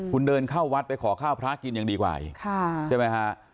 คุณเดินเข้าวัดไปขอข้าวพระกินยังดีกว่าใช่ไหมฮะ